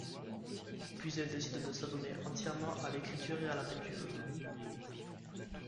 Puis elle décide de s’adonner entièrement à l’écriture et à la peinture.